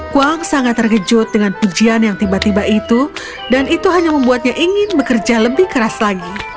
kuang sangat terkejut dengan pujian yang tiba tiba itu dan itu hanya membuatnya ingin bekerja lebih keras lagi